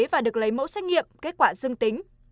và được lấy mẫu xét nghiệm kết quả dương tính